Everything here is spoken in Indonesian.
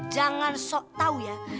jangan sok tau ya